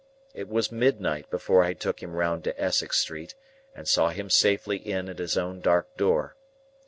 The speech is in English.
It was midnight before I took him round to Essex Street, and saw him safely in at his own dark door.